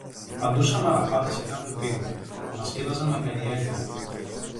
Απαντούσαμε Αραπάδες σε κάθε βήμα, που μας κοίταζαν με περιέργεια